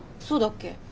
そうだっけ？